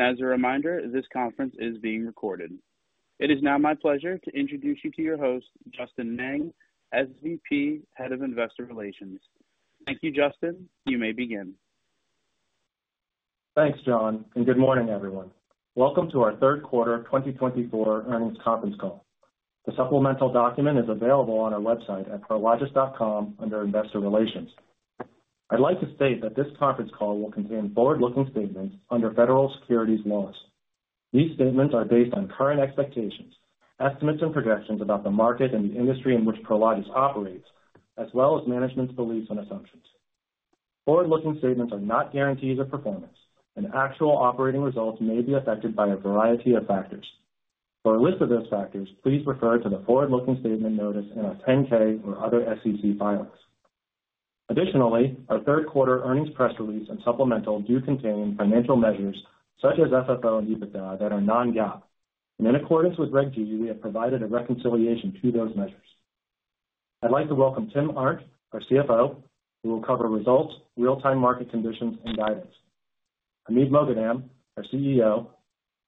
And as a reminder, this conference is being recorded. It is now my pleasure to introduce you to your host, Justin Meng, SVP, Head of Investor Relations. Thank you, Justin. You may begin. Thanks, John, and good morning, everyone. Welcome to our third quarter twenty twenty-four earnings conference call. The supplemental document is available on our website at prologis.com under Investor Relations. I'd like to state that this conference call will contain forward-looking statements under federal securities laws. These statements are based on current expectations, estimates, and projections about the market and the industry in which Prologis operates, as well as management's beliefs and assumptions. Forward-looking statements are not guarantees of performance, and actual operating results may be affected by a variety of factors. For a list of those factors, please refer to the forward-looking statement notice in our 10-K or other SEC filings. Additionally, our third quarter earnings press release and supplemental do contain financial measures such as FFO and EBITDA that are non-GAAP, and in accordance with Reg G, we have provided a reconciliation to those measures. I'd like to welcome Tim Arndt, our CFO, who will cover results, real-time market conditions, and guidance. Hamid Moghadam, our CEO,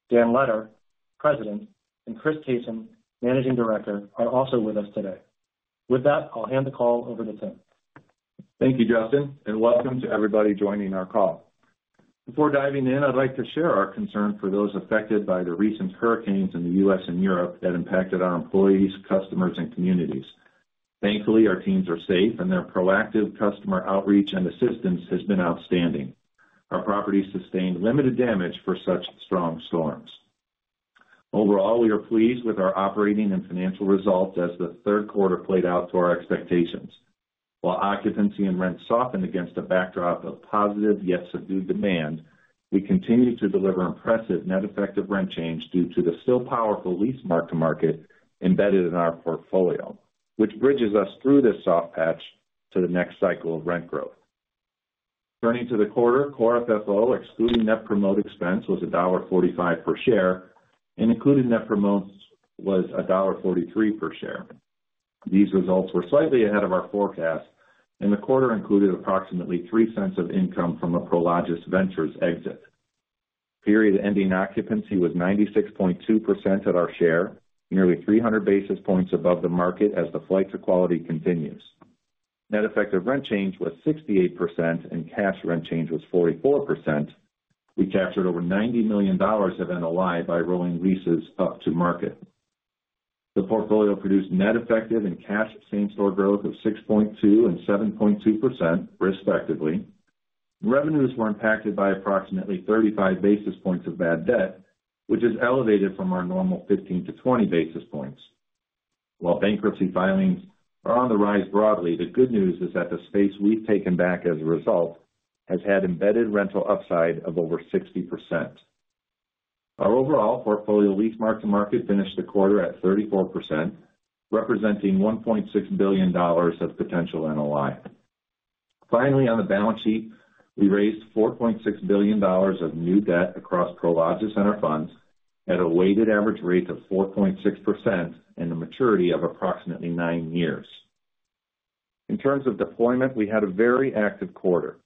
Dan Letter, President, and Chris Caton, Managing Director, are also with us today. With that, I'll hand the call over to Tim. Thank you, Justin, and welcome to everybody joining our call. Before diving in, I'd like to share our concern for those affected by the recent hurricanes in the US and Europe that impacted our employees, customers, and communities. Thankfully, our teams are safe, and their proactive customer outreach and assistance has been outstanding. Our properties sustained limited damage for such strong storms. Overall, we are pleased with our operating and financial results as the third quarter played out to our expectations. While occupancy and rent softened against a backdrop of positive yet subdued demand, we continued to deliver impressive net effective rent change due to the still powerful lease mark-to-market embedded in our portfolio, which bridges us through this soft patch to the next cycle of rent growth. Turning to the quarter, core FFO, excluding Net Promote expense, was $1.45 per share, and including Net Promotes was $1.43 per share. These results were slightly ahead of our forecast, and the quarter included approximately three cents of income from a Prologis Ventures exit. Period ending occupancy was 96.2% at our share, nearly 300 basis points above the market as the flight to quality continues. Net effective rent change was 68%, and cash rent change was 44%. We captured over $90 million of NOI by rolling leases up to market. The portfolio produced net effective and cash same-store growth of 6.2% and 7.2%, respectively. Revenues were impacted by approximately 35 basis points of bad debt, which is elevated from our normal 15-20 basis points. While bankruptcy filings are on the rise broadly, the good news is that the space we've taken back as a result has had embedded rental upside of over 60%. Our overall portfolio lease mark-to-market finished the quarter at 34%, representing $1.6 billion of potential NOI. Finally, on the balance sheet, we raised $4.6 billion of new debt across Prologis and our funds at a weighted average rate of 4.6% and a maturity of approximately nine years. In terms of deployment, we had a very active quarter.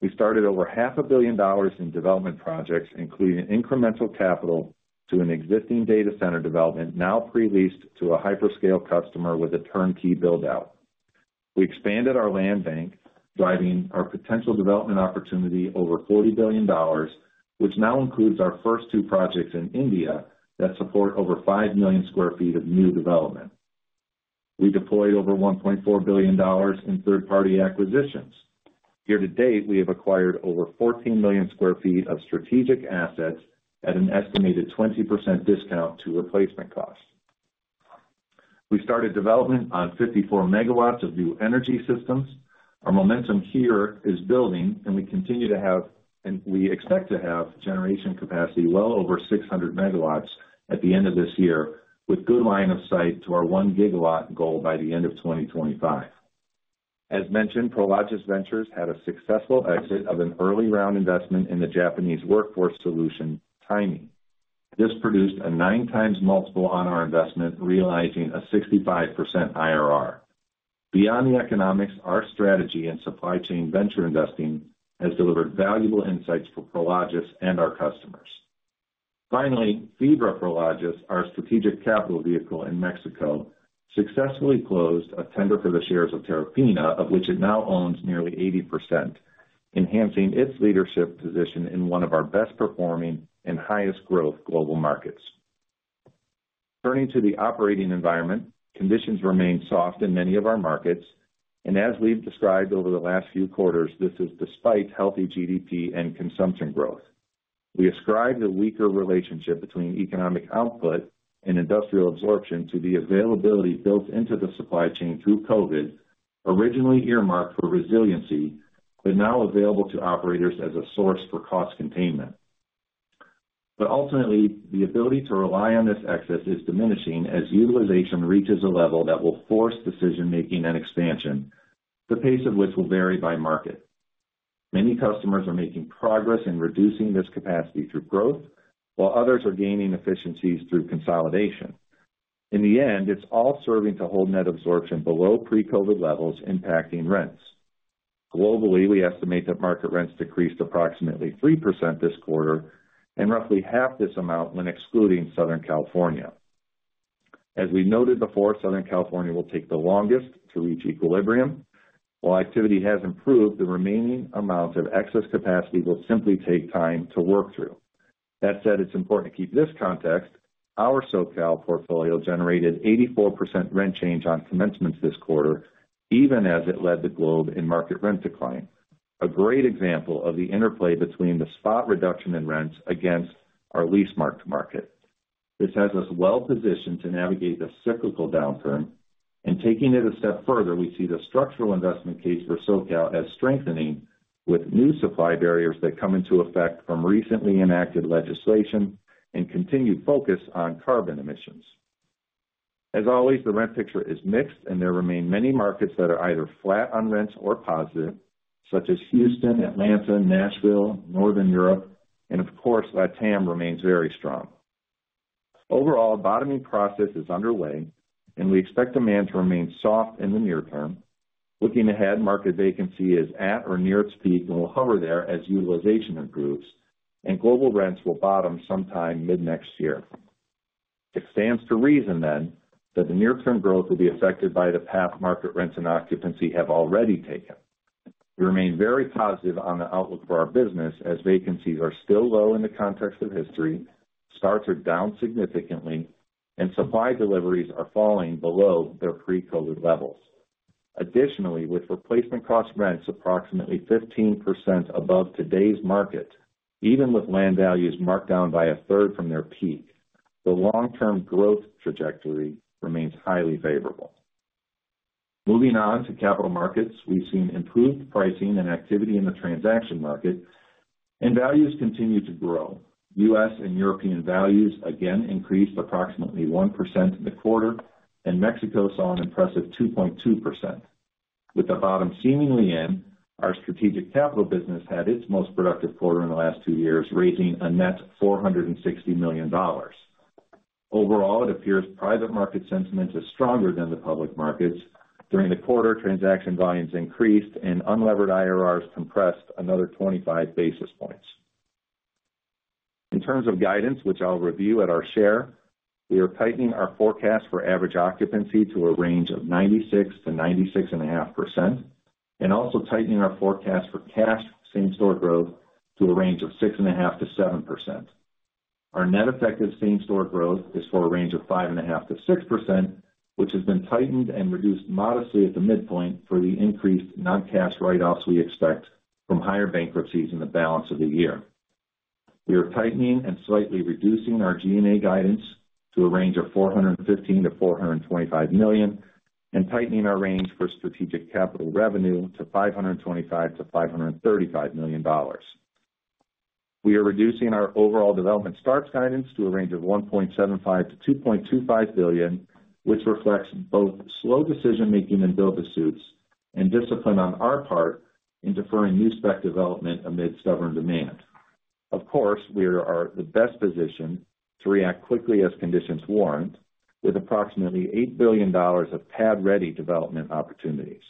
We started over $500 million in development projects, including incremental capital to an existing data center development, now pre-leased to a hyperscale customer with a turnkey build-out. We expanded our land bank, driving our potential development opportunity over $40 billion, which now includes our first two projects in India that support over 5 million sq ft of new development. We deployed over $1.4 billion in third-party acquisitions. Year to date, we have acquired over 14 million sq ft of strategic assets at an estimated 20% discount to replacement costs. We started development on 54 megawatts of new energy systems. Our momentum here is building, and we continue to have, and we expect to have, generation capacity well over 600 megawatts at the end of this year, with good line of sight to our 1 gigawatt goal by the end of 2025. As mentioned, Prologis Ventures had a successful exit of an early round investment in the Japanese workforce solution, Timee. This produced a 9 times multiple on our investment, realizing a 65% IRR. Beyond the economics, our strategy and supply chain venture investing has delivered valuable insights for Prologis and our customers. Finally, Fibra Prologis, our strategic capital vehicle in Mexico, successfully closed a tender for the shares of Terrafina, of which it now owns nearly 80%, enhancing its leadership position in one of our best performing and highest growth global markets. Turning to the operating environment, conditions remain soft in many of our markets, and as we've described over the last few quarters, this is despite healthy GDP and consumption growth. We ascribe the weaker relationship between economic output and industrial absorption to the availability built into the supply chain through Covid, originally earmarked for resiliency, but now available to operators as a source for cost containment. But ultimately, the ability to rely on this excess is diminishing as utilization reaches a level that will force decision-making and expansion, the pace of which will vary by market. Many customers are making progress in reducing this capacity through growth, while others are gaining efficiencies through consolidation. In the end, it's all serving to hold net absorption below pre-Covid levels, impacting rents. Globally, we estimate that market rents decreased approximately 3% this quarter and roughly half this amount when excluding Southern California. As we noted before, Southern California will take the longest to reach equilibrium. While activity has improved, the remaining amounts of excess capacity will simply take time to work through. That said, it's important to keep this context. Our SoCal portfolio generated 84% rent change on commencements this quarter, even as it led the globe in market rent decline. A great example of the interplay between the spot reduction in rents against our lease mark-to-market. This has us well positioned to navigate the cyclical downturn, and taking it a step further, we see the structural investment case for SoCal as strengthening, with new supply barriers that come into effect from recently enacted legislation and continued focus on carbon emissions. As always, the rent picture is mixed, and there remain many markets that are either flat on rents or positive, such as Houston, Atlanta, Nashville, Northern Europe, and of course, LatAm remains very strong. Overall, bottoming process is underway, and we expect demand to remain soft in the near term. Looking ahead, market vacancy is at or near its peak and will hover there as utilization improves, and global rents will bottom sometime mid-next year. It stands to reason then, that the near-term growth will be affected by the path market rents and occupancy have already taken. We remain very positive on the outlook for our business as vacancies are still low in the context of history, starts are down significantly, and supply deliveries are falling below their pre-COVID levels. Additionally, with replacement cost rents approximately 15% above today's market, even with land values marked down by a third from their peak, the long-term growth trajectory remains highly favorable. Moving on to capital markets. We've seen improved pricing and activity in the transaction market, and values continue to grow. U.S. and European values, again, increased approximately 1% in the quarter, and Mexico saw an impressive 2.2%. With the bottom seemingly in, our strategic capital business had its most productive quarter in the last two years, raising a net $460 million. Overall, it appears private market sentiment is stronger than the public markets. During the quarter, transaction volumes increased and unlevered IRRs compressed another 25 basis points. In terms of guidance, which I'll review at our share, we are tightening our forecast for average occupancy to a range of 96%-96.5%, and also tightening our forecast for cash same-store growth to a range of 6.5%-7%. Our net effective same-store growth is for a range of 5.5%-6%, which has been tightened and reduced modestly at the midpoint for the increased non-cash write-offs we expect from higher bankruptcies in the balance of the year. We are tightening and slightly reducing our G&A guidance to a range of $415 million-$425 million, and tightening our range for strategic capital revenue to $525 million-$535 million. We are reducing our overall development starts guidance to a range of $1.75-$2.25 billion, which reflects both slow decision making in build-to-suits and discipline on our part in deferring new spec development amid stubborn demand. Of course, we are at the best position to react quickly as conditions warrant, with approximately $8 billion of pad-ready development opportunities.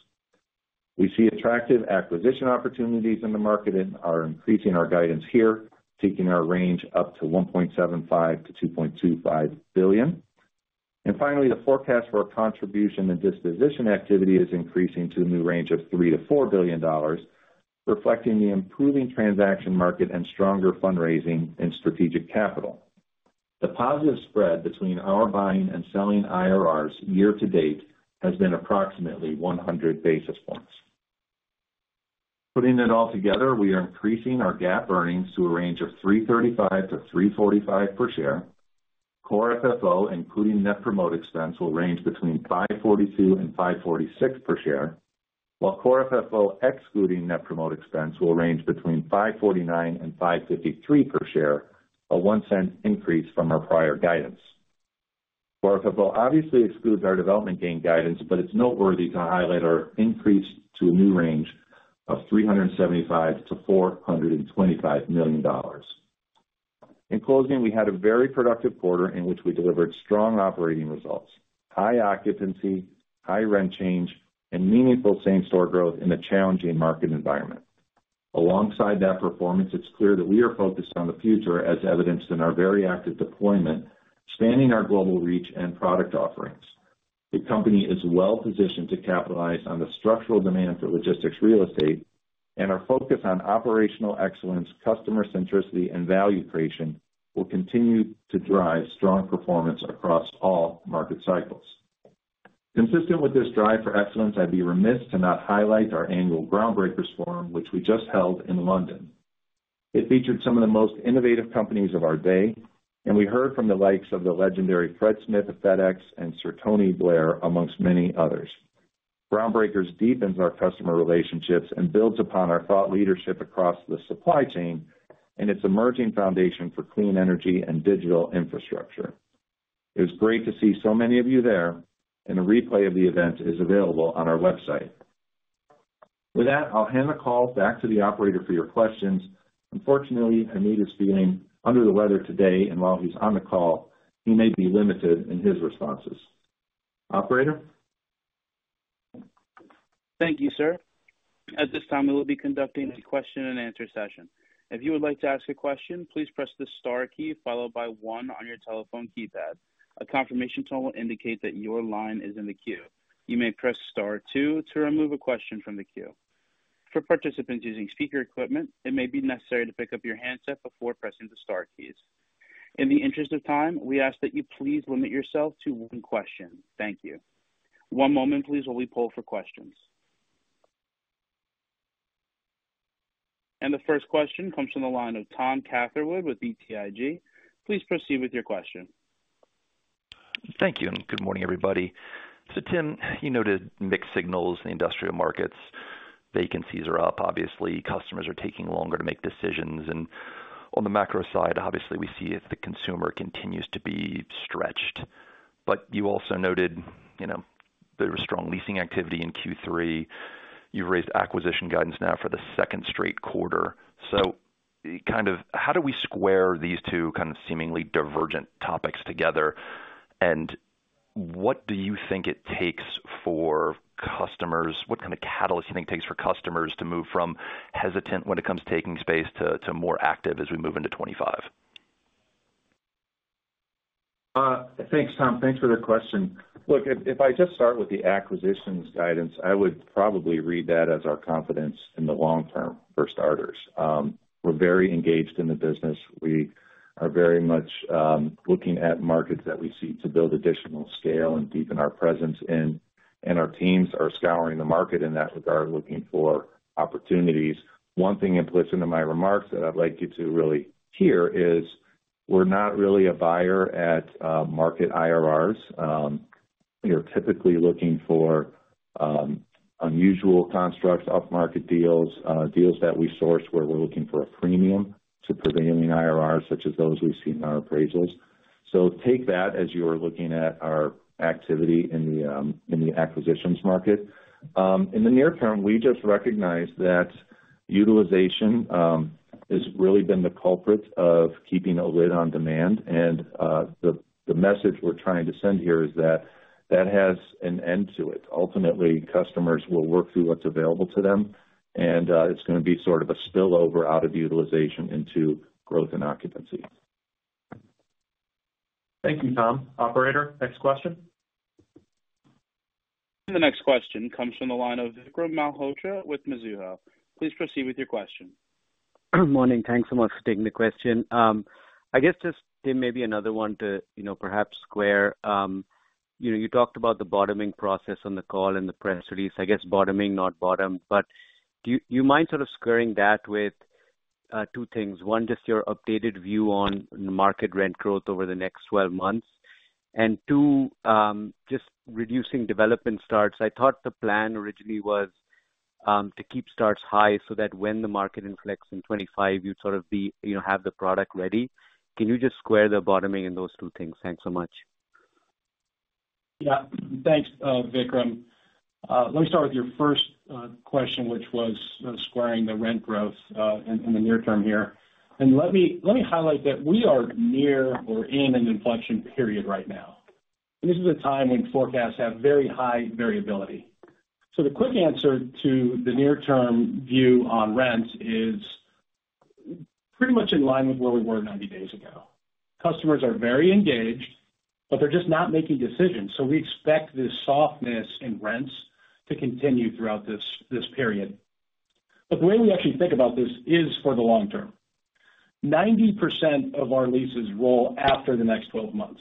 We see attractive acquisition opportunities in the market and are increasing our guidance here, taking our range up to $1.75-$2.25 billion. And finally, the forecast for our contribution and disposition activity is increasing to a new range of $3-$4 billion, reflecting the improving transaction market and stronger fundraising in strategic capital. The positive spread between our buying and selling IRRs year to date has been approximately 100 basis points. Putting it all together, we are increasing our GAAP earnings to a range of $3.35-$3.45 per share. Core FFO, including net promote expense, will range between $5.42 and $5.46 per share, while Core FFO, excluding net promote expense, will range between $5.49 and $5.53 per share, a $0.01 increase from our prior guidance. Core FFO obviously excludes our development gain guidance, but it's noteworthy to highlight our increase to a new range of $375-$425 million. In closing, we had a very productive quarter in which we delivered strong operating results, high occupancy, high rent change, and meaningful same-store growth in a challenging market environment. Alongside that performance, it's clear that we are focused on the future, as evidenced in our very active deployment, expanding our global reach and product offerings. The company is well positioned to capitalize on the structural demand for logistics real estate, and our focus on operational excellence, customer centricity, and value creation will continue to drive strong performance across all market cycles. Consistent with this drive for excellence, I'd be remiss to not highlight our annual Groundbreakers forum, which we just held in London. It featured some of the most innovative companies of our day, and we heard from the likes of the legendary Fred Smith of FedEx and Sir Tony Blair, among many others. Groundbreakers deepens our customer relationships and builds upon our thought leadership across the supply chain and its emerging foundation for clean energy and digital infrastructure. It was great to see so many of you there, and a replay of the event is available on our website. With that, I'll hand the call back to the operator for your questions. Unfortunately, Hamid is feeling under the weather today, and while he's on the call, he may be limited in his responses. Operator? Thank you, sir. At this time, we will be conducting a question and answer session. If you would like to ask a question, please press the star key followed by one on your telephone keypad. A confirmation tone will indicate that your line is in the queue. You may press star two to remove a question from the queue. For participants using speaker equipment, it may be necessary to pick up your handset before pressing the star keys. In the interest of time, we ask that you please limit yourself to one question. Thank you. One moment, please, while we poll for questions. And the first question comes from the line of Tom Catherwood with BTIG. Please proceed with your question. Thank you, and good morning, everybody. So, Tim, you noted mixed signals in the industrial markets. Vacancies are up. Obviously, customers are taking longer to make decisions. And on the macro side, obviously, we see if the consumer continues to be stretched. But you also noted, you know, there was strong leasing activity in Q3. You've raised acquisition guidance now for the second straight quarter. So kind of how do we square these two kind of seemingly divergent topics together? And what do you think it takes for customers. What kind of catalyst do you think it takes for customers to move from hesitant when it comes to taking space to, to more active as we move into 2025? Thanks, Tom. Thanks for the question. Look, if I just start with the acquisitions guidance, I would probably read that as our confidence in the long term, for starters. We're very engaged in the business. We are very much looking at markets that we seek to build additional scale and deepen our presence in, and our teams are scouring the market in that regard, looking for opportunities. One thing implicit in my remarks that I'd like you to really hear is, we're not really a buyer at market IRRs. We are typically looking for unusual constructs, upmarket deals, deals that we source where we're looking for a premium to prevailing IRRs, such as those we've seen in our appraisals. So take that as you're looking at our activity in the acquisitions market. In the near term, we just recognize that utilization has really been the culprit of keeping a lid on demand. The message we're trying to send here is that that has an end to it. Ultimately, customers will work through what's available to them, and it's going to be sort of a spillover out of utilization into growth and occupancy. Thank you, Tom. Operator, next question. The next question comes from the line of Vikram Malhotra with Mizuho. Please proceed with your question. Good morning. Thanks so much for taking the question. I guess just, Tim, maybe another one to, you know, perhaps square. You know, you talked about the bottoming process on the call and the press release. I guess bottoming, not bottom, but do you mind sort of squaring that with two things? One, just your updated view on market rent growth over the next twelve months, and two, just reducing development starts. I thought the plan originally was to keep starts high so that when the market inflects in 2025, you'd sort of be, you know, have the product ready. Can you just square the bottoming with those two things? Thanks so much. Yeah. Thanks, Vikram. Let me start with your first question, which was squaring the rent growth in the near term here. And let me highlight that we are near or in an inflection period right now. This is a time when forecasts have very high variability. So the quick answer to the near-term view on rent is pretty much in line with where we were 90 days ago. Customers are very engaged, but they're just not making decisions, so we expect this softness in rents to continue throughout this period. But the way we actually think about this is for the long term. 90% of our leases roll after the next 12 months.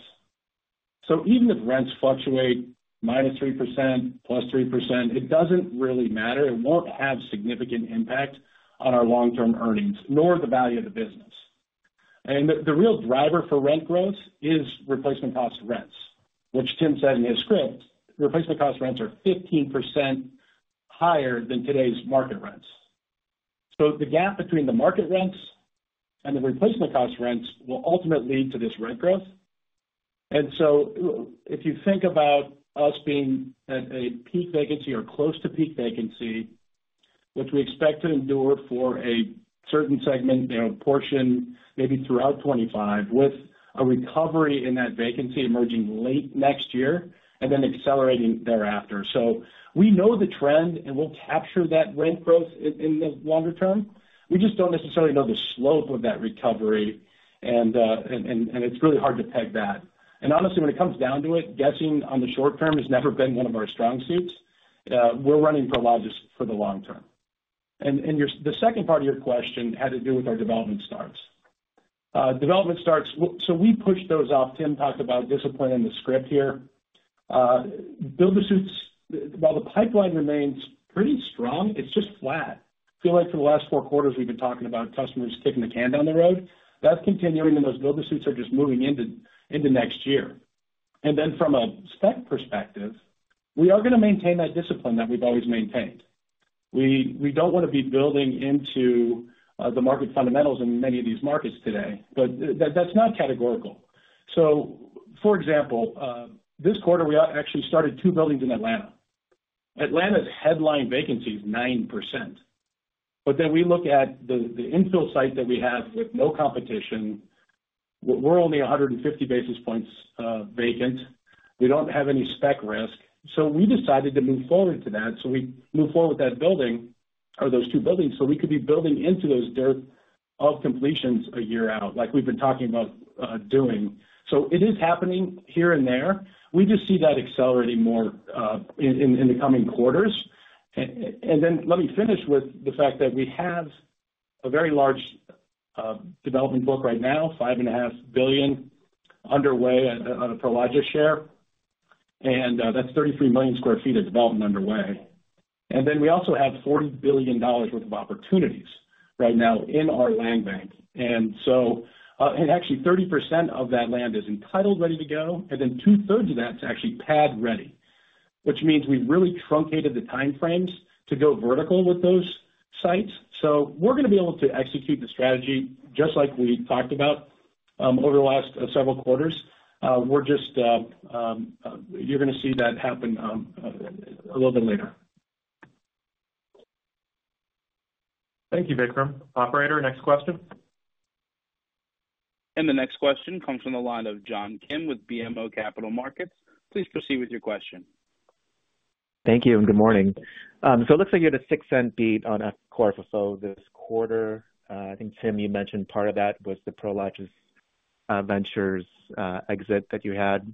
So even if rents fluctuate minus 3%, plus 3%, it doesn't really matter. It won't have significant impact on our long-term earnings, nor the value of the business. The real driver for rent growth is replacement cost rents, which Tim said in his script, replacement cost rents are 15% higher than today's market rents. The gap between the market rents and the replacement cost rents will ultimately lead to this rent growth. If you think about us being at a peak vacancy or close to peak vacancy, which we expect to endure for a certain segment, you know, portion, maybe throughout 2025, with a recovery in that vacancy emerging late next year and then accelerating thereafter. We know the trend, and we'll capture that rent growth in the longer term. We just don't necessarily know the slope of that recovery, and it's really hard to peg that. And honestly, when it comes down to it, guessing on the short term has never been one of our strong suits. We're running Prologis for the long term. And your... The second part of your question had to do with our development starts. Development starts, so we pushed those off. Tim talked about discipline in the script here. Build-to-suits. While the pipeline remains pretty strong, it's just flat. I feel like for the last four quarters, we've been talking about customers kicking the can down the road. That's continuing, and those build-to-suits are just moving into next year. And then from a spec perspective, we are going to maintain that discipline that we've always maintained. We don't want to be building into the market fundamentals in many of these markets today, but that's not categorical. For example, this quarter, we actually started two buildings in Atlanta. Atlanta's headline vacancy is 9%, but then we look at the infill site that we have with no competition. We're only 150 basis points vacant. We don't have any spec risk, so we decided to move forward with that. We moved forward with that building or those two buildings, so we could be building from dirt to completions a year out, like we've been talking about doing. It is happening here and there. We just see that accelerating more in the coming quarters, and then let me finish with the fact that we have a very large development book right now, $5.5 billion underway on a Prologis share, and that's 33 million sq ft of development underway. And then we also have $40 billion worth of opportunities right now in our land bank. And so, and actually, 30% of that land is entitled, ready to go, and then two-thirds of that's actually pad ready, which means we've really truncated the time frames to go vertical with those sites. So we're gonna be able to execute the strategy, just like we talked about, over the last several quarters. We're just, you're gonna see that happen, a little bit later. Thank you, Vikram. Operator, next question. The next question comes from the line of John Kim with BMO Capital Markets. Please proceed with your question. Thank you, and good morning. So it looks like you had a $0.06 beat on Core FFO this quarter. I think, Tim, you mentioned part of that was the Prologis Ventures exit that you had,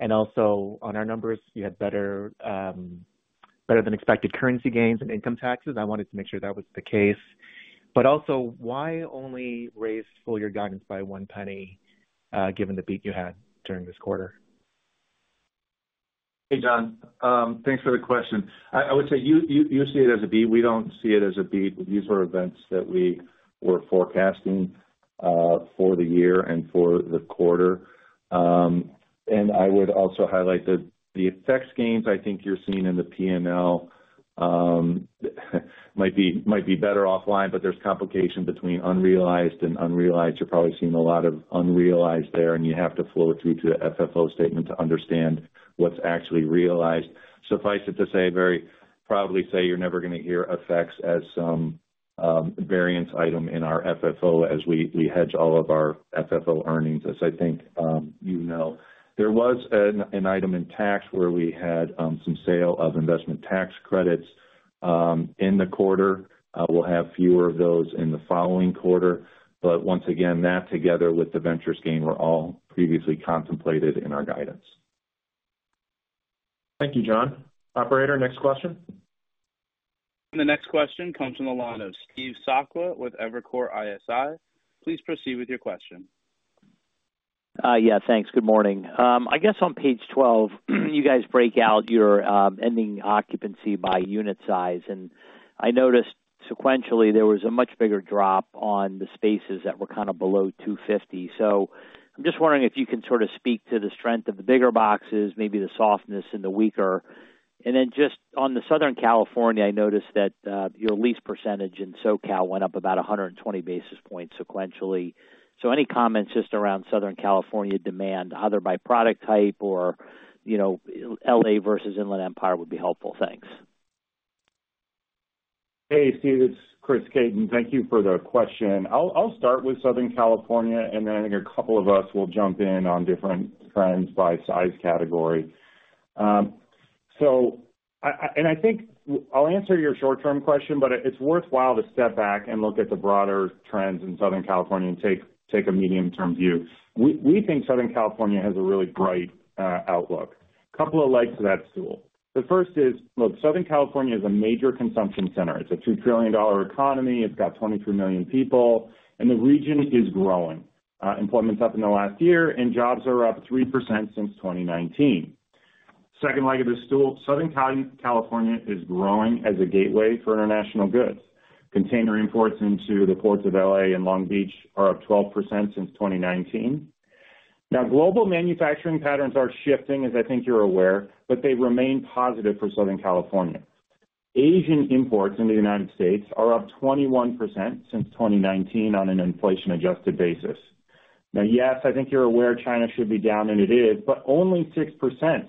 and also on our numbers, you had better than expected currency gains and income taxes. I wanted to make sure that was the case, but also, why only raise full-year guidance by $0.01, given the beat you had during this quarter? Hey, John, thanks for the question. I would say you see it as a beat. We don't see it as a beat. These are events that we were forecasting for the year and for the quarter. And I would also highlight that the FX gains, I think you're seeing in the P&L, might be better offline, but there's complication between unrealized and realized. You're probably seeing a lot of unrealized there, and you have to flow it through to the FFO statement to understand what's actually realized. Suffice it to say, very proudly say, you're never gonna hear FX as some variance item in our FFO as we hedge all of our FFO earnings, as I think you know. There was an item in tax where we had some sale of investment tax credits in the quarter. We'll have fewer of those in the following quarter, but once again, that together with the ventures gain, were all previously contemplated in our guidance. Thank you, John. Operator, next question. The next question comes from the line of Steve Sakwa with Evercore ISI. Please proceed with your question. Yeah, thanks. Good morning. I guess on page 12, you guys break out your ending occupancy by unit size, and I noticed sequentially there was a much bigger drop on the spaces that were kind of below 250. So I'm just wondering if you can sort of speak to the strength of the bigger boxes, maybe the softness and the weaker. And then just on the Southern California, I noticed that your lease percentage in SoCal went up about 120 basis points sequentially. So any comments just around Southern California demand, either by product type or, you know, LA versus Inland Empire, would be helpful. Thanks. Hey, Steve, it's Chris Caton. Thank you for the question. I'll start with Southern California, and then I think a couple of us will jump in on different trends by size category. I think I'll answer your short-term question, but it's worthwhile to step back and look at the broader trends in Southern California and take a medium-term view. We think Southern California has a really bright outlook. A couple of legs to that stool. The first is, look, Southern California is a major consumption center. It's a $2 trillion economy. It's got 23 million people, and the region is growing. Employment's up in the last year, and jobs are up 3% since 2019. Second leg of the stool, Southern California is growing as a gateway for international goods. Container imports into the ports of LA and Long Beach are up 12% since 2019. Now, global manufacturing patterns are shifting, as I think you're aware, but they remain positive for Southern California. Asian imports in the United States are up 21% since 2019 on an inflation-adjusted basis. Now, yes, I think you're aware China should be down, and it is, but only 6%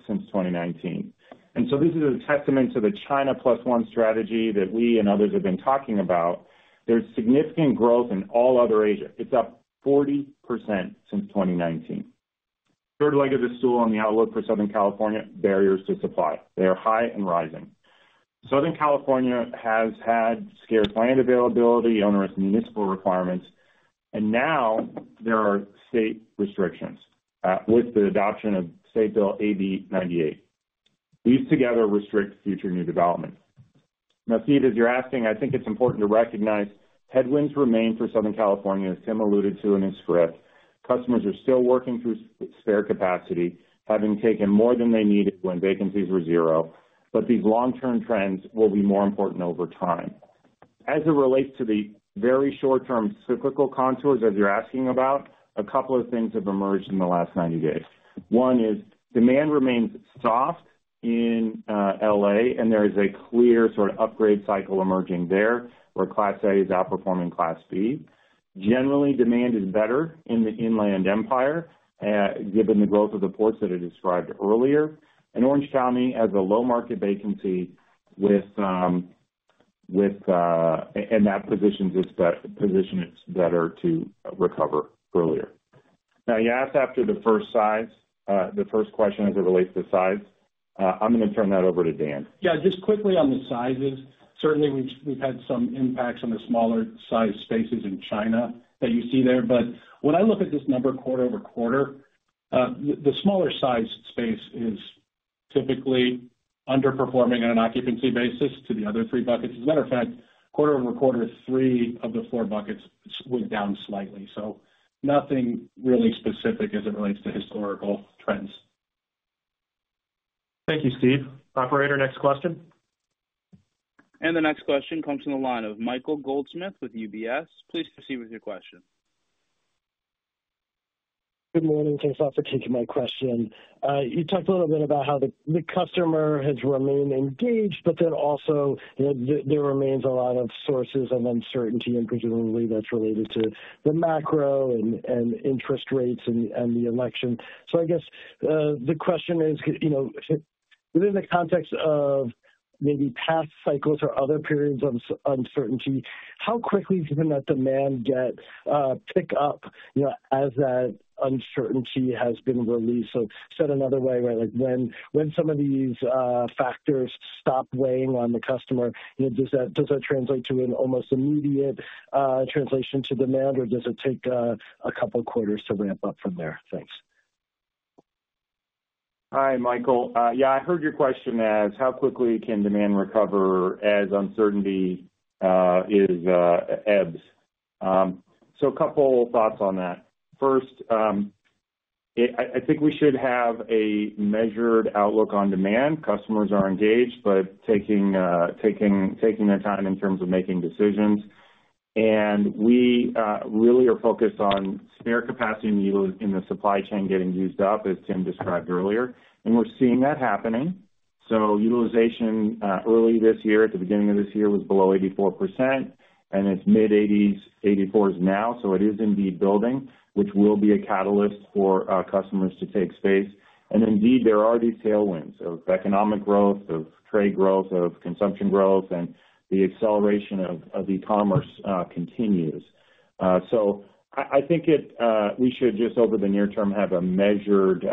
since 2019. And so this is a testament to the China Plus One strategy that we and others have been talking about. There's significant growth in all other Asia. It's up 40% since 2019. Third leg of the stool on the outlook for Southern California, barriers to supply. They are high and rising. Southern California has had scarce land availability, onerous municipal requirements, and now there are state restrictions with the adoption of State Bill AB 98. These together restrict future new development. Now, Steve, as you're asking, I think it's important to recognize headwinds remain for Southern California, as Tim alluded to in his script. Customers are still working through spare capacity, having taken more than they needed when vacancies were zero, but these long-term trends will be more important over time. As it relates to the very short-term cyclical contours, as you're asking about, a couple of things have emerged in the last 90 days. One is, demand remains soft in LA, and there is a clear sort of upgrade cycle emerging there, where Class A is outperforming Class B. Generally, demand is better in the Inland Empire, given the growth of the ports that I described earlier, and Orange County has a low market vacancy, and that positions it better to recover earlier. Now, you asked after the first size, the first question as it relates to size. I'm going to turn that over to Dan. Yeah, just quickly on the sizes. Certainly, we've had some impacts on the smaller size spaces in China that you see there. But when I look at this number quarter-over-quarter, the smaller sized space is typically underperforming on an occupancy basis to the other three buckets. As a matter of fact, quarter-over-quarter, three of the four buckets went down slightly, so nothing really specific as it relates to historical trends. Thank you, Steve. Operator, next question. The next question comes from the line of Michael Goldsmith with UBS. Please proceed with your question. Good morning, thanks a lot for taking my question. You talked a little bit about how the customer has remained engaged, but then also that there remains a lot of sources of uncertainty, and presumably that's related to the macro and interest rates and the election. So I guess the question is, you know, within the context of maybe past cycles or other periods of uncertainty, how quickly can that demand get pick up, you know, as that uncertainty has been released? So said another way, right, like, when some of these factors stop weighing on the customer, you know, does that translate to an almost immediate translation to demand, or does it take a couple quarters to ramp up from there? Thanks. Hi, Michael. Yeah, I heard your question as how quickly can demand recover as uncertainty is ebbs. So a couple thoughts on that. First, I think we should have a measured outlook on demand. Customers are engaged, but taking their time in terms of making decisions. And we really are focused on spare capacity in the supply chain getting used up, as Tim described earlier, and we're seeing that happening. So utilization early this year, at the beginning of this year, was below 84%, and it's mid-80s, 84s now. So it is indeed building, which will be a catalyst for our customers to take space. And indeed, there are these tailwinds of economic growth, of trade growth, of consumption growth, and the acceleration of e-commerce continues. So I think we should just over the near term have a measured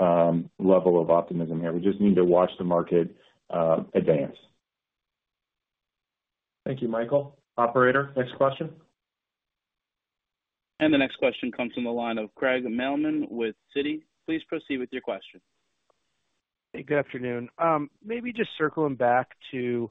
level of optimism here. We just need to watch the market advance. Thank you, Michael. Operator, next question. And the next question comes from the line of Craig Mailman with Citi. Please proceed with your question. Hey, good afternoon. Maybe just circling back to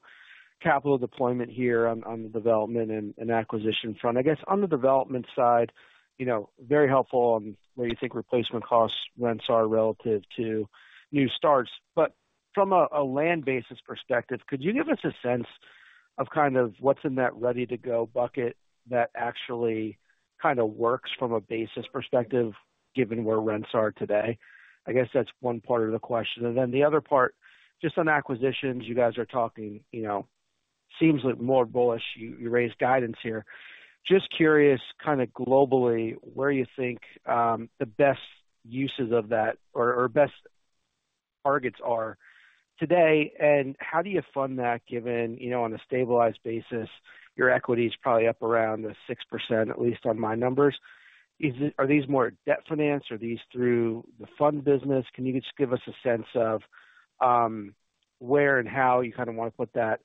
capital deployment here on the development and acquisition front. I guess on the development side, you know, very helpful on where you think replacement costs rents are relative to new starts. But from a land basis perspective, could you give us a sense of kind of what's in that ready-to-go bucket that actually kind of works from a basis perspective, given where rents are today? I guess that's one part of the question. And then the other part, just on acquisitions, you guys are talking, you know, seems like more bullish. You raised guidance here. Just curious, kind of globally, where you think the best uses of that or best targets are today, and how do you fund that, given, you know, on a stabilized basis, your equity is probably up around the 6%, at least on my numbers. Is it? Are these more debt financed? Are these through the fund business? Can you just give us a sense of where and how you kind of want to put that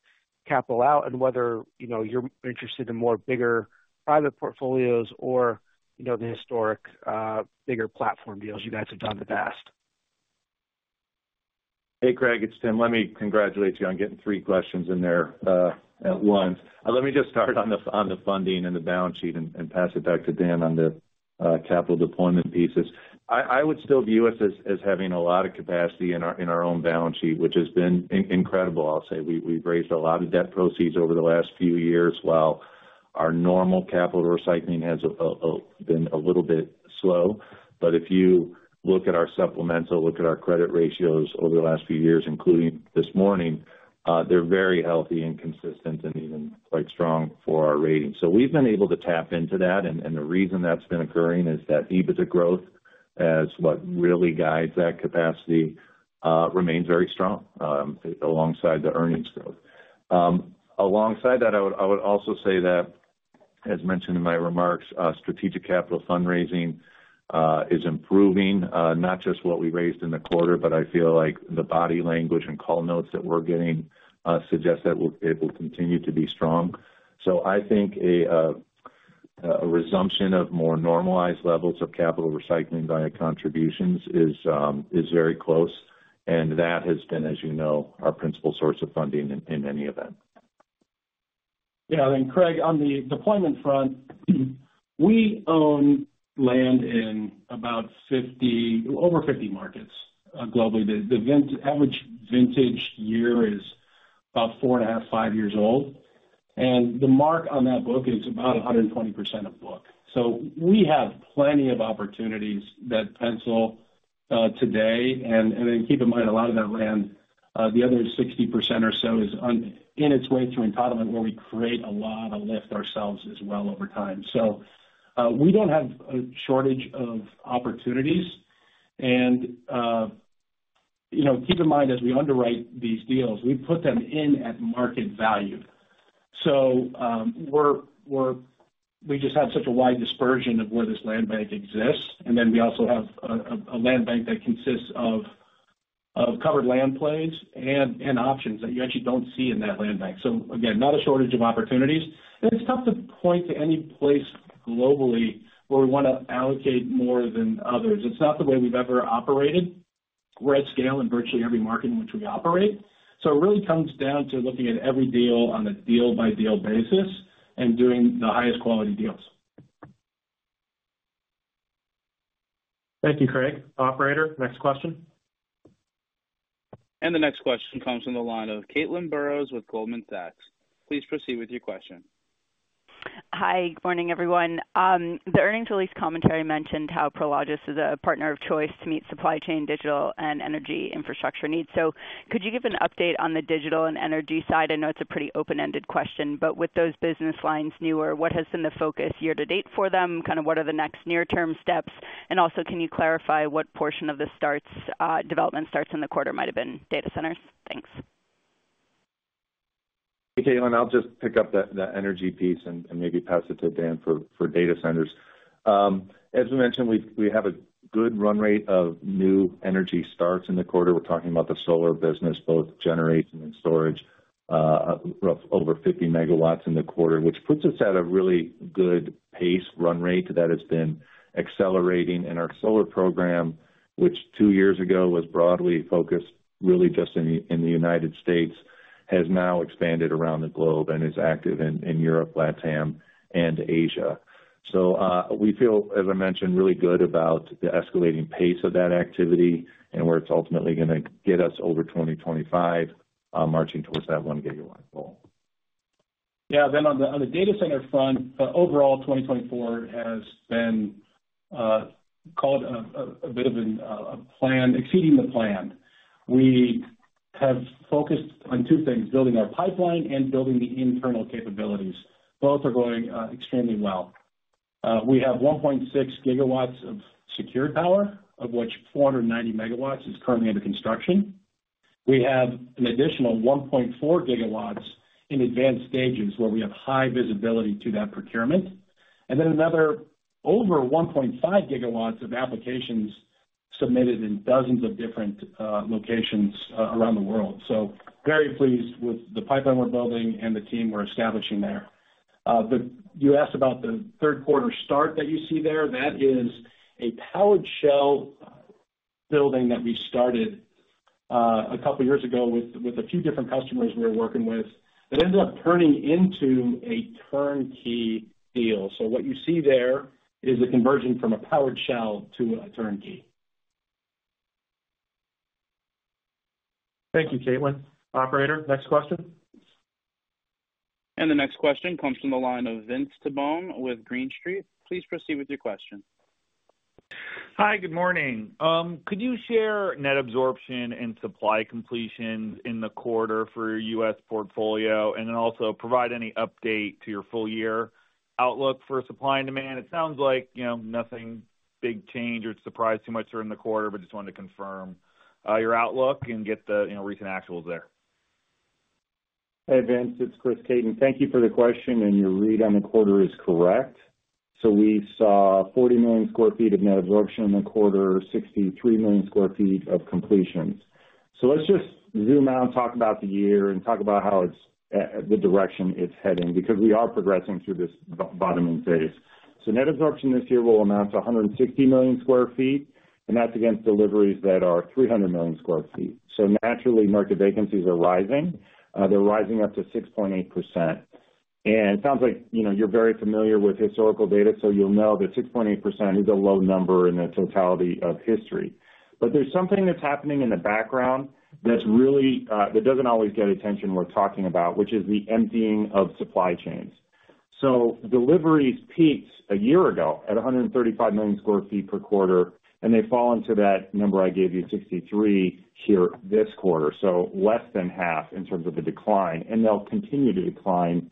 capital out and whether, you know, you're interested in more bigger private portfolios or, you know, the historic bigger platform deals you guys have done in the past? Hey, Craig, it's Tim. Let me congratulate you on getting three questions in there at once. Let me just start on the funding and the balance sheet and pass it back to Dan on the capital deployment pieces. I would still view us as having a lot of capacity in our own balance sheet, which has been incredible, I'll say. We've raised a lot of debt proceeds over the last few years, while our normal capital recycling has been a little bit slow. But if you look at our supplemental, look at our credit ratios over the last few years, including this morning, they're very healthy and consistent and even quite strong for our ratings. So we've been able to tap into that. The reason that's been occurring is that EBITDA growth, as what really guides that capacity, remains very strong, alongside the earnings growth. Alongside that, I would also say that, as mentioned in my remarks, strategic capital fundraising is improving, not just what we raised in the quarter, but I feel like the body language and call notes that we're getting suggest that we're able to continue to be strong. I think a resumption of more normalized levels of capital recycling via contributions is very close, and that has been, as you know, our principal source of funding in any event. Yeah, and Craig, on the deployment front, we own land in about 50... over 50 markets, globally. The average vintage year is about 4.5-5 years old, and the mark on that book is about 120% of book. So we have plenty of opportunities that pencil out today, and then keep in mind, a lot of that land, the other 60% or so is on its way to entitlement, where we create a lot of lift ourselves as well over time. So we don't have a shortage of opportunities. And you know, keep in mind, as we underwrite these deals, we put them in at market value. So, we just have such a wide dispersion of where this land bank exists, and then we also have a land bank that consists of covered land plays and options that you actually don't see in that land bank. So again, not a shortage of opportunities, and it's tough to point to any place globally where we want to allocate more than others. It's not the way we've ever operated. We're at scale in virtually every market in which we operate. So it really comes down to looking at every deal on a deal-by-deal basis and doing the highest quality deals. Thank you, Craig. Operator, next question. The next question comes from the line of Caitlin Burrows with Goldman Sachs. Please proceed with your question. Hi, good morning, everyone. The earnings release commentary mentioned how Prologis is a partner of choice to meet supply chain, digital, and energy infrastructure needs. So could you give an update on the digital and energy side? I know it's a pretty open-ended question, but with those business lines newer, what has been the focus year to date for them? Kind of what are the next near-term steps? And also, can you clarify what portion of the starts, development starts in the quarter might have been data centers? Thanks. Hey, Caitlin, I'll just pick up the energy piece and maybe pass it to Dan for data centers. As we mentioned, we have a good run rate of new energy starts in the quarter. We're talking about the solar business, both generation and storage, roughly over 50 megawatts in the quarter, which puts us at a really good pace run rate that has been accelerating. And our solar program, which two years ago was broadly focused really just in the United States, has now expanded around the globe and is active in Europe, LatAm, and Asia. So, we feel, as I mentioned, really good about the escalating pace of that activity and where it's ultimately gonna get us over twenty twenty-five, marching towards that 1 gigawatt goal. Yeah, then on the data center front, overall, 2024 has been called a bit of a plan exceeding the plan. We have focused on two things, building our pipeline and building the internal capabilities. Both are going extremely well. We have 1.6 gigawatts of secured power, of which 490 megawatts is currently under construction. We have an additional 1.4 gigawatts in advanced stages, where we have high visibility to that procurement, and then another over 1.5 gigawatts of applications submitted in dozens of different locations around the world. So very pleased with the pipeline we're building and the team we're establishing there. But you asked about the third quarter start that you see there. That is a powered shell building that we started a couple of years ago with a few different customers we were working with, that ended up turning into a turnkey deal. So what you see there is a conversion from a powered shell to a turnkey. Thank you, Caitlin. Operator, next question. The next question comes from the line of Vince Tibone with Green Street. Please proceed with your question. Hi, good morning. Could you share net absorption and supply completions in the quarter for your U.S. portfolio, and then also provide any update to your full year outlook for supply and demand? It sounds like, you know, nothing big change or surprise too much during the quarter, but just wanted to confirm, your outlook and get the, you know, recent actuals there. Hey, Vince, it's Chris Caton. Thank you for the question, and your read on the quarter is correct. So we saw 40 million sq ft of net absorption in the quarter, 63 million sq ft of completions. So let's just zoom out and talk about the year and talk about how it's the direction it's heading, because we are progressing through this bottoming phase. So net absorption this year will amount to 160 million sq ft, and that's against deliveries that are 300 million sq ft. So naturally, market vacancies are rising. They're rising up to 6.8%. And it sounds like, you know, you're very familiar with historical data, so you'll know that 6.8% is a low number in the totality of history. But there's something that's happening in the background that's really, that doesn't always get attention we're talking about, which is the emptying of supply chains. So deliveries peaked a year ago at 135 million sq ft per quarter, and they've fallen to that number I gave you, 63, here this quarter. So less than half in terms of the decline, and they'll continue to decline,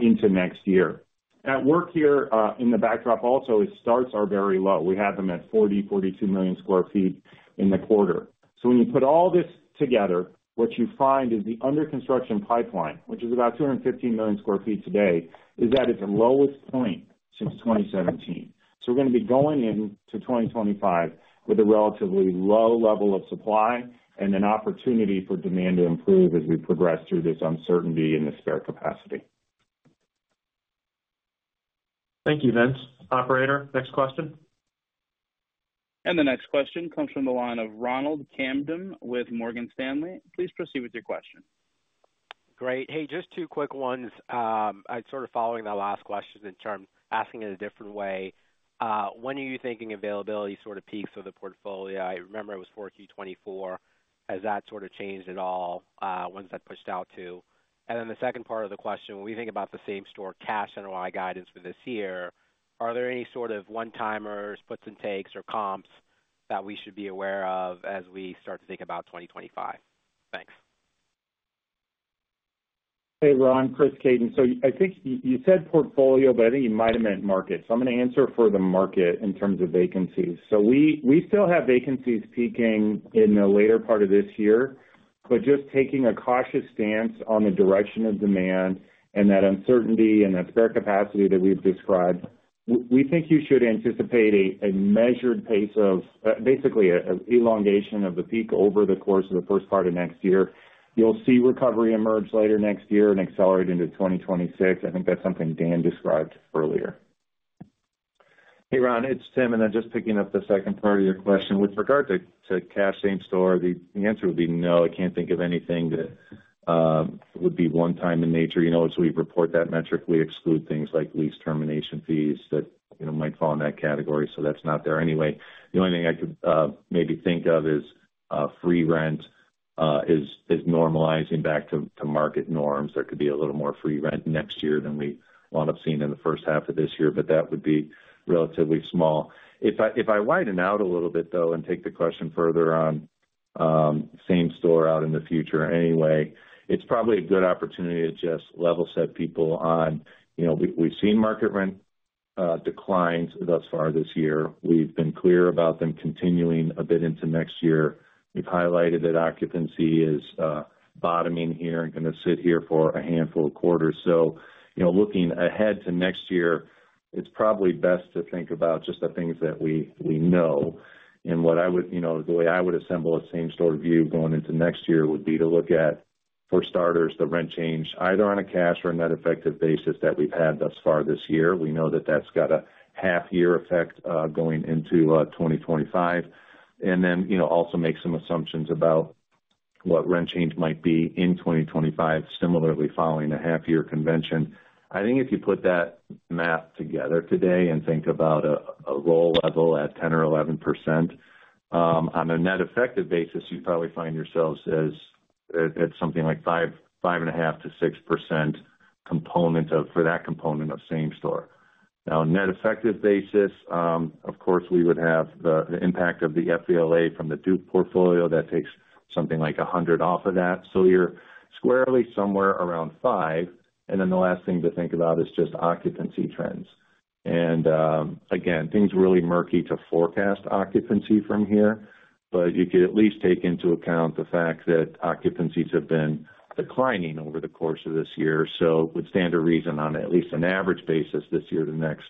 into next year. At work here, in the backdrop also, is starts are very low. We had them at 40-42 million sq ft in the quarter. So when you put all this together, what you find is the under construction pipeline, which is about 215 million sq ft today, is at its lowest point since 2017. We're gonna be going into 2025 with a relatively low level of supply and an opportunity for demand to improve as we progress through this uncertainty in the spare capacity. Thank you, Vince. Operator, next question. The next question comes from the line of Ronald Kamdem with Morgan Stanley. Please proceed with your question. Great. Hey, just two quick ones. I'm sort of following that last question in terms of asking it a different way. When are you thinking availability sort of peaks for the portfolio? I remember it was for Q4. Has that sort of changed at all, when's that pushed out to? And then the second part of the question, when we think about the same-store cash NOI guidance for this year, are there any sort of one-timers, puts and takes, or comps that we should be aware of as we start to think about 2025? Thanks. Hey, Ron, Chris Caton. So I think you said portfolio, but I think you might have meant market. So I'm gonna answer for the market in terms of vacancies. So we still have vacancies peaking in the later part of this year, but just taking a cautious stance on the direction of demand and that uncertainty and that spare capacity that we've described. We think you should anticipate a measured pace of basically an elongation of the peak over the course of the first part of next year. You'll see recovery emerge later next year and accelerate into twenty twenty-six. I think that's something Dan described earlier. Hey, Ron, it's Tim, and then just picking up the second part of your question. With regard to cash same store, the answer would be no, I can't think of anything that would be one time in nature. You know, as we report that metric, we exclude things like lease termination fees that, you know, might fall in that category, so that's not there anyway. The only thing I could maybe think of is free rent is normalizing back to market norms. There could be a little more free rent next year than we wound up seeing in the first half of this year, but that would be relatively small. If I widen out a little bit, though, and take the question further on, same store out in the future anyway, it's probably a good opportunity to just level set people on, you know, we've seen market rent declines thus far this year. We've been clear about them continuing a bit into next year. We've highlighted that occupancy is bottoming here and gonna sit here for a handful of quarters. So, you know, looking ahead to next year, it's probably best to think about just the things that we know. And what I would. You know, the way I would assemble a same store view going into next year would be to look at, for starters, the rent change, either on a cash or a net effective basis that we've had thus far this year. We know that that's got a half year effect, going into 2025, and then, you know, also make some assumptions about what rent change might be in 2025, similarly, following a half year convention. I think if you put that math together today and think about a roll level at 10% or 11%, on a net effective basis, you probably find yourselves at something like 5%, 5.5% to 6% component of for that component of same store. Now, on net effective basis, of course, we would have the impact of the FVLA from the Duke portfolio. That takes something like 100 off of that, so you're squarely somewhere around 5%, and then the last thing to think about is just occupancy trends. Again, things are really murky to forecast occupancy from here, but you could at least take into account the fact that occupancies have been declining over the course of this year. It would stand to reason on at least an average basis this year to next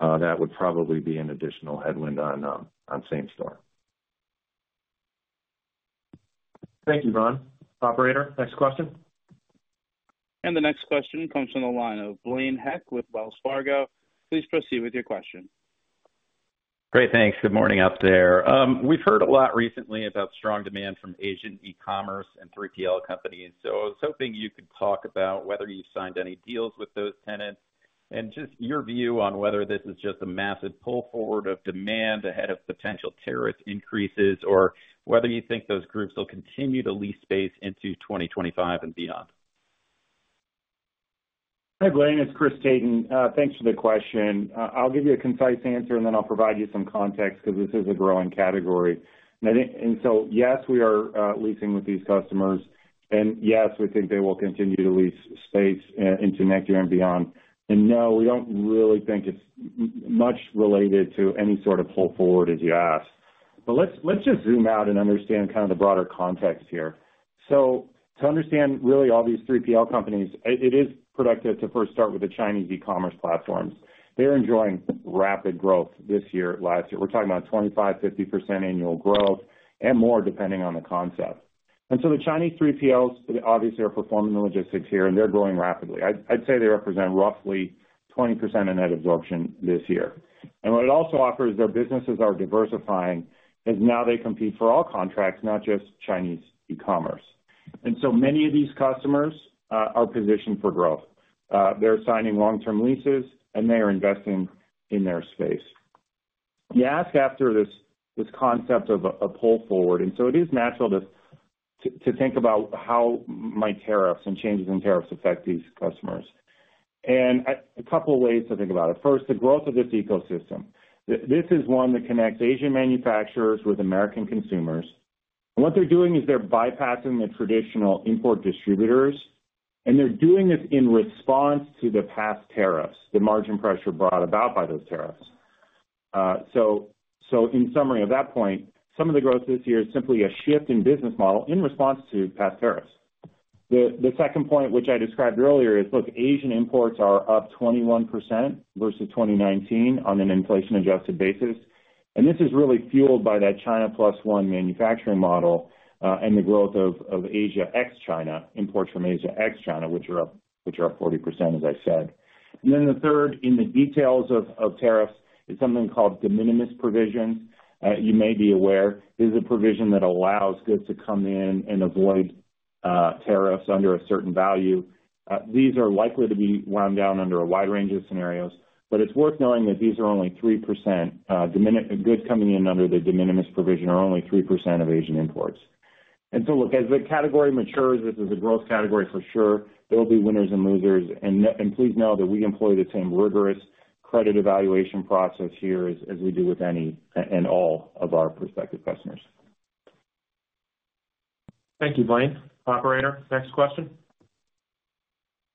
that would probably be an additional headwind on same store. Thank you, Ron. Operator, next question. The next question comes from the line of Blaine Heck with Wells Fargo. Please proceed with your question. Great. Thanks. Good morning out there. We've heard a lot recently about strong demand from Asian e-commerce and 3PL companies, so I was hoping you could talk about whether you've signed any deals with those tenants, and just your view on whether this is just a massive pull forward of demand ahead of potential tariff increases, or whether you think those groups will continue to lease space into 2025 and beyond. Hi, Blaine, it's Chris Caton. Thanks for the question. I'll give you a concise answer, and then I'll provide you some context, because this is a growing category. And I think and so, yes, we are leasing with these customers, and yes, we think they will continue to lease space into next year and beyond. And no, we don't really think it's much related to any sort of pull forward, as you asked. But let's just zoom out and understand kind of the broader context here. So to understand really all these 3PL companies, it is productive to first start with the Chinese e-commerce platforms. They're enjoying rapid growth this year, last year. We're talking about 25%, 50% annual growth, and more depending on the concept. And so the Chinese 3PLs obviously are performing the logistics here, and they're growing rapidly. I'd say they represent roughly 20% of net absorption this year. What it also offers is their businesses are diversifying, as now they compete for all contracts, not just Chinese e-commerce. Many of these customers are positioned for growth. They're signing long-term leases, and they are investing in their space. You asked after this concept of a pull forward, and so it is natural to think about how might tariffs and changes in tariffs affect these customers. A couple of ways to think about it. First, the growth of this ecosystem. This is one that connects Asian manufacturers with American consumers, and what they're doing is they're bypassing the traditional import distributors, and they're doing this in response to the past tariffs, the margin pressure brought about by those tariffs. So, in summary, at that point, some of the growth this year is simply a shift in business model in response to past tariffs. The second point, which I described earlier, is, look, Asian imports are up 21% versus 2019 on an inflation-adjusted basis, and this is really fueled by that China Plus One manufacturing model, and the growth of Asia ex China, imports from Asia ex China, which are up 40%, as I said. And then the third, in the details of tariffs, is something called de minimis provisions. You may be aware, this is a provision that allows goods to come in and avoid tariffs under a certain value. These are likely to be wound down under a wide range of scenarios, but it's worth knowing that these are only 3%, de minimis goods coming in under the de minimis provision are only 3% of Asian imports. And so look, as the category matures, this is a growth category for sure. There'll be winners and losers, and please know that we employ the same rigorous credit evaluation process here as we do with any and all of our prospective customers. Thank you, Blaine. Operator, next question.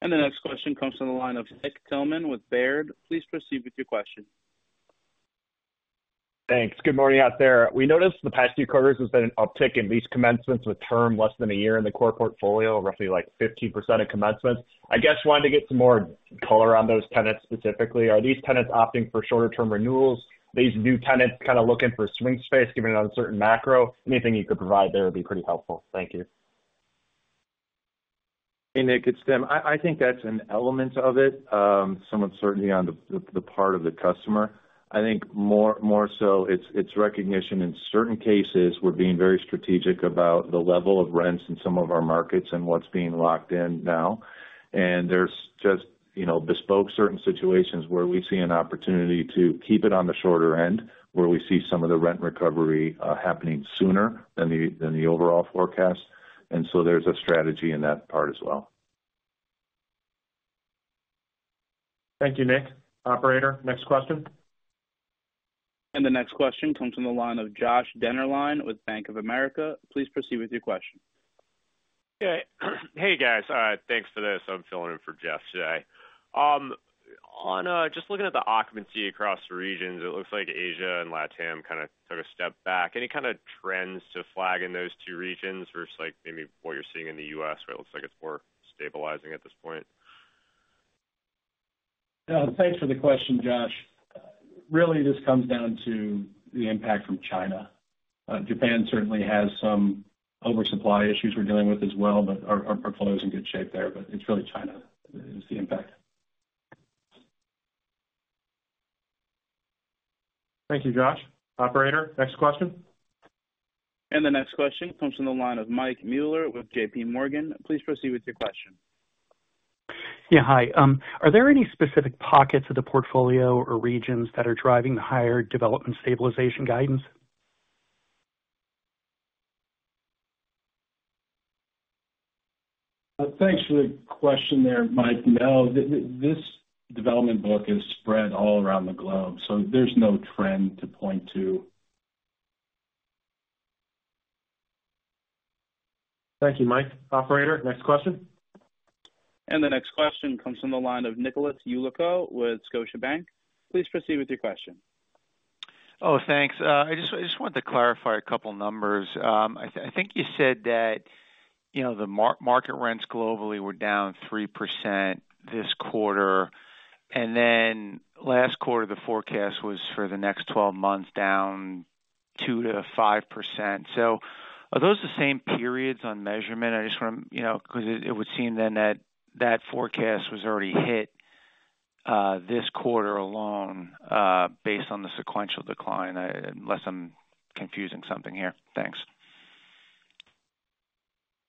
The next question comes from the line of Nick Thillman with Baird. Please proceed with your question. Thanks. Good morning out there. We noticed the past few quarters there's been an uptick in lease commencements with term less than a year in the core portfolio, roughly like 15% of commencements. I guess, wanted to get some more color on those tenants specifically. Are these tenants opting for shorter term renewals? These new tenants kind of looking for swing space, given an uncertain macro? Anything you could provide there would be pretty helpful. Thank you. Hey, Nick, it's Tim. I think that's an element of it, some uncertainty on the part of the customer. I think more so it's recognition. In certain cases, we're being very strategic about the level of rents in some of our markets and what's being locked in now. And there's just, you know, bespoke certain situations where we see an opportunity to keep it on the shorter end, where we see some of the rent recovery happening sooner than the overall forecast. And so there's a strategy in that part as well. Thank you, Nick. Operator, next question. The next question comes from the line of Joshua Dennerlein with Bank of America. Please proceed with your question. Yeah. Hey, guys, thanks for this. I'm filling in for Jeff today. On just looking at the occupancy across the regions, it looks like Asia and LatAm kind of took a step back. Any kind of trends to flag in those two regions versus, like, maybe what you're seeing in the U.S., where it looks like it's more stabilizing at this point? Thanks for the question, Josh. Really, this comes down to the impact from China. Japan certainly has some oversupply issues we're dealing with as well, but our portfolio is in good shape there, but it's really China is the impact. Thank you, Josh. Operator, next question. And the next question comes from the line of Mike Mueller with J.P. Morgan. Please proceed with your question. Yeah. Hi, are there any specific pockets of the portfolio or regions that are driving the higher development stabilization guidance? Thanks for the question there, Mike. No, this development book is spread all around the globe, so there's no trend to point to. Thank you, Mike. Operator, next question? The next question comes from the line of Nicholas Yulico with Scotiabank. Please proceed with your question. Oh, thanks. I just wanted to clarify a couple numbers. I think you said that, you know, the market rents globally were down 3% this quarter, and then last quarter, the forecast was for the next twelve months, down 2%-5%. So are those the same periods on measurement? I just want to... You know, because it would seem then that that forecast was already hit, this quarter alone, based on the sequential decline, unless I'm confusing something here. Thanks.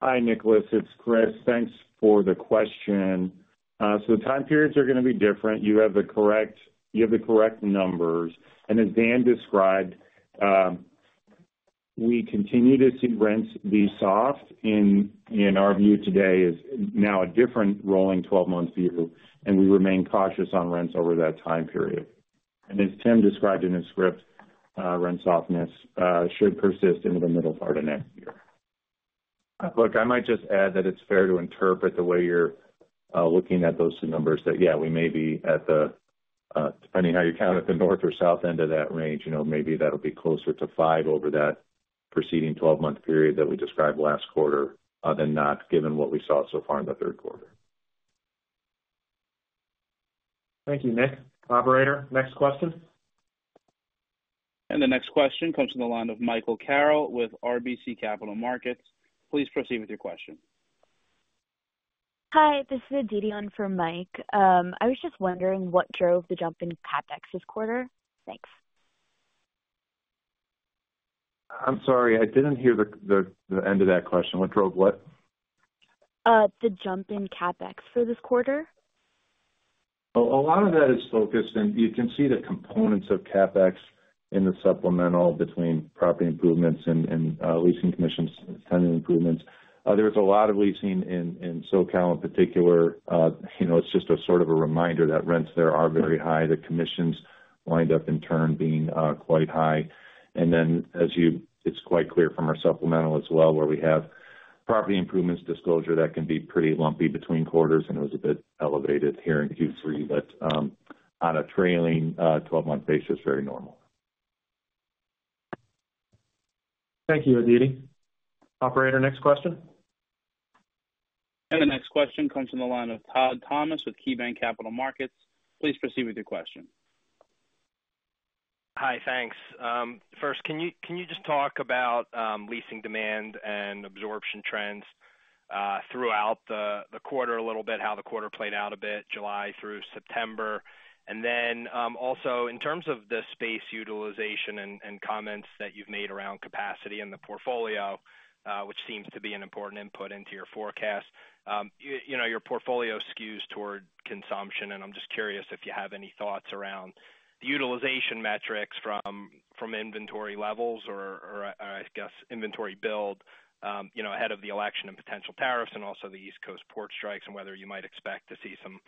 Hi, Nicholas, it's Chris. Thanks for the question. So the time periods are going to be different. You have the correct numbers, and as Dan described, we continue to see rents be soft, in our view, today is now a different rolling twelve-month view, and we remain cautious on rents over that time period. As Tim described in his script, rent softness should persist into the middle part of next year. Look, I might just add that it's fair to interpret the way you're looking at those numbers, that, yeah, we may be at the, depending on how you count it, the north or south end of that range. You know, maybe that'll be closer to five over that preceding twelve-month period that we described last quarter than not, given what we saw so far in the third quarter. Thank you, Nick. Operator, next question? And the next question comes from the line of Michael Carroll with RBC Capital Markets. Please proceed with your question. Hi, this is Aditi in for Mike. I was just wondering what drove the jump in CapEx this quarter? Thanks. I'm sorry, I didn't hear the end of that question. What drove what? The jump in CapEx for this quarter. Oh, a lot of that is focused, and you can see the components of CapEx in the supplemental between property improvements and leasing commissions, tenant improvements. There is a lot of leasing in SoCal in particular. You know, it's just a sort of a reminder that rents there are very high. The commissions wind up in turn being quite high. And then, as you... It's quite clear from our supplemental as well, where we have property improvements disclosure, that can be pretty lumpy between quarters, and it was a bit elevated here in Q3, but on a trailing twelve-month basis, very normal. Thank you, Aditi. Operator, next question? And the next question comes from the line of Todd Thomas with KeyBanc Capital Markets. Please proceed with your question. Hi, thanks. First, can you just talk about leasing demand and absorption trends throughout the quarter a little bit, how the quarter played out a bit, July through September? And then also in terms of the space utilization and comments that you've made around capacity in the portfolio, which seems to be an important input into your forecast. You know, your portfolio skews toward consumption, and I'm just curious if you have any thoughts around the utilization metrics from inventory levels or I guess inventory build, you know, ahead of the election and potential tariffs and also the East Coast port strikes, and whether you might expect to see some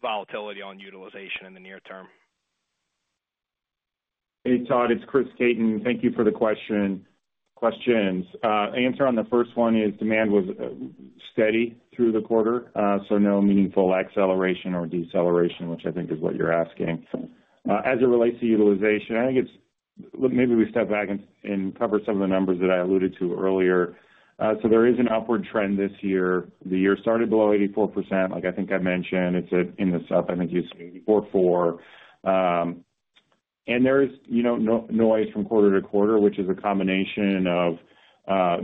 volatility on utilization in the near term? Hey, Todd, it's Chris Caton. Thank you for the question, questions. Answer on the first one is demand was steady through the quarter, so no meaningful acceleration or deceleration, which I think is what you're asking. As it relates to utilization, I think it's maybe we step back and cover some of the numbers that I alluded to earlier. So there is an upward trend this year. The year started below 84%, like I think I mentioned. It's at, in this quarter, I think, 84.4%. And there is, you know, no noise from quarter to quarter, which is a combination of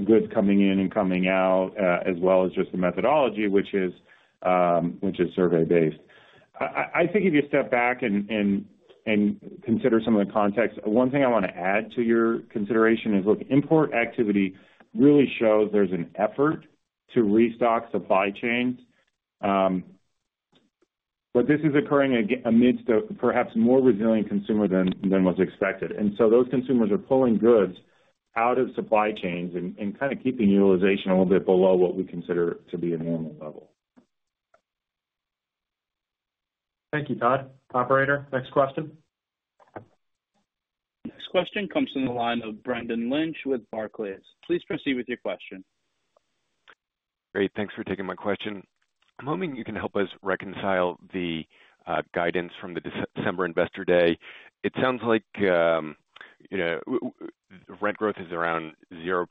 goods coming in and coming out, as well as just the methodology, which is survey-based. I think if you step back and consider some of the context, one thing I wanna add to your consideration is, look, import activity really shows there's an effort to restock supply chains, but this is occurring amidst a perhaps more resilient consumer than was expected, and so those consumers are pulling goods out of supply chains and kind of keeping utilization a little bit below what we consider to be a normal level. Thank you, Todd. Operator, next question. Next question comes from the line of Brendan Lynch with Barclays. Please proceed with your question. Great, thanks for taking my question. I'm hoping you can help us reconcile the guidance from the December Investor Day. It sounds like, you know, rent growth is around 0%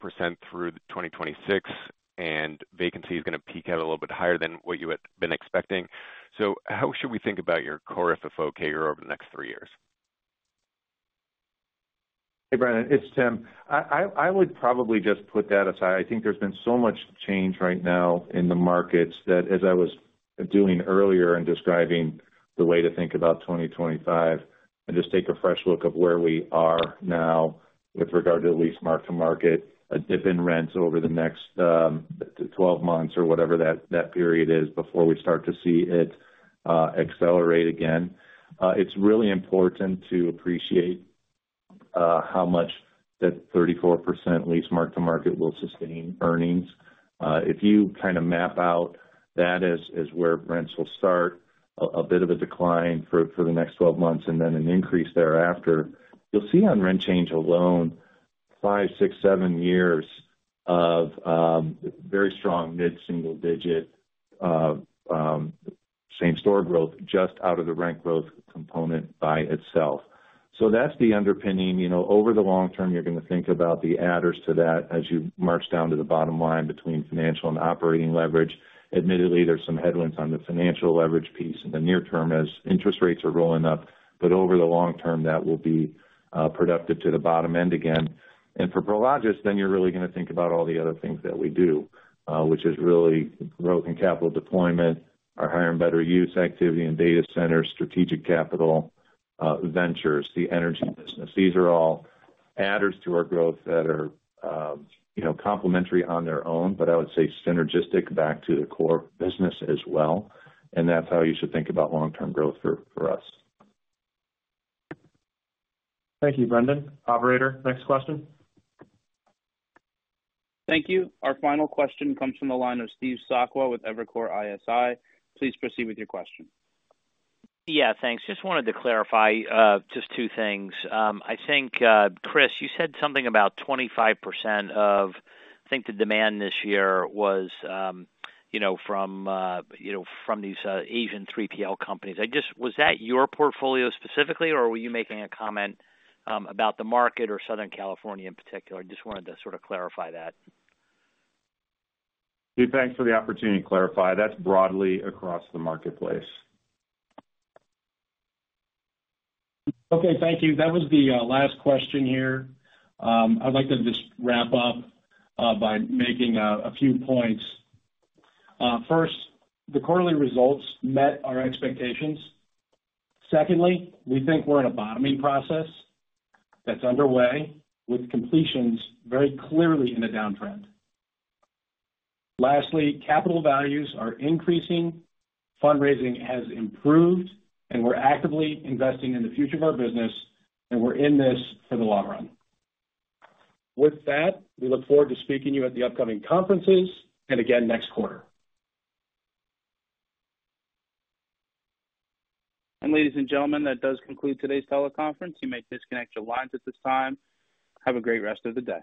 through 2026, and vacancy is gonna peak out a little bit higher than what you had been expecting. So how should we think about your Core FFO trajectory over the next three years? Hey, Brendan, it's Tim. I would probably just put that aside. I think there's been so much change right now in the markets, that as I was doing earlier in describing the way to think about twenty twenty-five and just take a fresh look of where we are now with regard to lease mark-to-market, a dip in rents over the next twelve months or whatever that period is, before we start to see it accelerate again. It's really important to appreciate how much that 34% lease mark-to-market will sustain earnings. If you kind of map out that as where rents will start, a bit of a decline for the next twelve months, and then an increase thereafter, you'll see on rent change alone, five, six, seven years of very strong mid-single digit same store growth, just out of the rent growth component by itself. So that's the underpinning. You know, over the long term, you're gonna think about the adders to that as you march down to the bottom line between financial and operating leverage. Admittedly, there's some headwinds on the financial leverage piece in the near term as interest rates are rolling up, but over the long term, that will be productive to the bottom end again. For Prologis, then you're really gonna think about all the other things that we do, which is really growth and capital deployment, our higher and better use activity in data centers, strategic capital, ventures, the energy business. These are all adders to our growth that are, you know, complementary on their own, but I would say synergistic back to the core business as well, and that's how you should think about long-term growth for us. Thank you, Brendan. Operator, next question? Thank you. Our final question comes from the line of Steve Sakwa with Evercore ISI. Please proceed with your question. Yeah, thanks. Just wanted to clarify, just two things. I think, Chris, you said something about 25% of, I think the demand this year was, you know, from, you know, from these, Asian 3PL companies. I just... Was that your portfolio specifically, or were you making a comment, about the market or Southern California in particular? I just wanted to sort of clarify that. Steve, thanks for the opportunity to clarify. That's broadly across the marketplace. Okay, thank you. That was the last question here. I'd like to just wrap up by making a few points. First, the quarterly results met our expectations. Secondly, we think we're in a bottoming process that's underway, with completions very clearly in a downtrend. Lastly, capital values are increasing, fundraising has improved, and we're actively investing in the future of our business, and we're in this for the long run. With that, we look forward to speaking to you at the upcoming conferences and again next quarter. Ladies and gentlemen, that does conclude today's teleconference. You may disconnect your lines at this time. Have a great rest of the day.